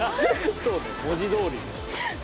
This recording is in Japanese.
そうね文字どおりに。